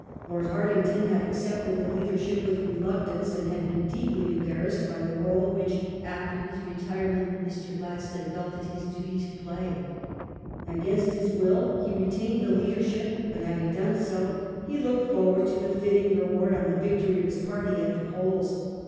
Lord tion of a Hartington had accepted the leadership with reluctance and had new o jT 1 Ministry been deeply embaiTassed by the role which, after his retirement, Mr. Gladstone felt it his duty to play. Against his will he re tained the leadership, but having done so, he looked forward to the fitting reward on the victory of his party at the polls.